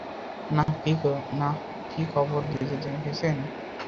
না-কি কবর দিতে দেখেছেন?